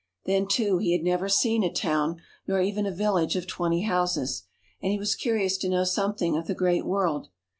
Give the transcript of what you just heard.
Then, too, he had never seen a town nor even a village of twenty houses, and he was curious to know something of the great world.